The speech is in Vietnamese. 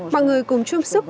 mọi người cùng chung sức